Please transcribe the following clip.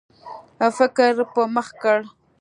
فکر په مخه کړ.